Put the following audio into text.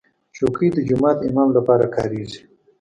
چوکۍ د جومات امام لپاره کارېږي.